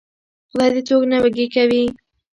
خدای دې څوک نه وږي کوي.